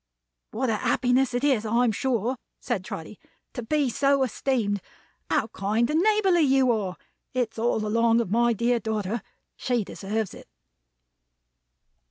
"What a happiness it is, I'm sure," said Trotty, "to be so esteemed. How kind and neighborly you are! It's all along of my dear daughter. She deserves it."